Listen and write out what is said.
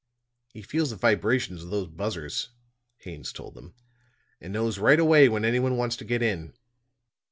"He feels the vibrations of those buzzers," Haines told them, "and knows right away when anyone wants to get in."